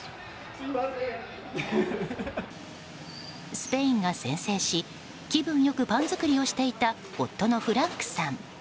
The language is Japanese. スペインが先制し気分良くパン作りをしていた夫のフランクさん。